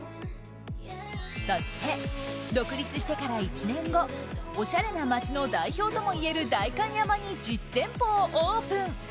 そして、独立してから１年後おしゃれな街の代表ともいえる代官山に実店舗をオープン。